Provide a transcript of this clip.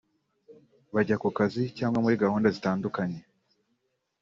bajya ku kazi cyangwa muri gahunda zitandukanye